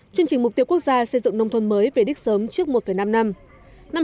chương trình mục tiêu quốc gia xây dựng nông thôn mới về đích sớm trước một năm năm